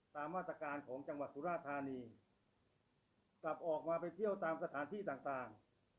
ตามมาตรการของจังหวัดสุราธานีกลับออกมาไปเที่ยวตามสถานที่ต่างต่าง